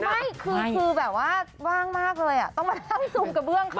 ไม่คือแบบว่าว่างมากเลยต้องมานั่งซูมกระเบื้องเขา